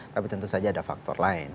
tapi tentu saja ada faktor lain